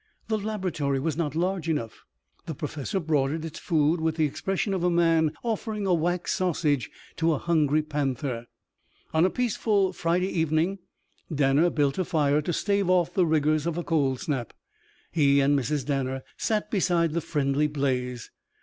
The laboratory was not large enough. The professor brought it its food with the expression of a man offering a wax sausage to a hungry panther. On a peaceful Friday evening Danner built a fire to stave off the rigours of a cold snap. He and Mrs. Danner sat beside the friendly blaze.